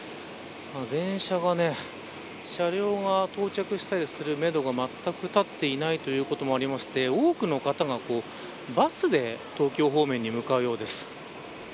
電車は、車両が到着するめどが全く立っていないということもありまして多くの方がバスで東京方面に向かうようです。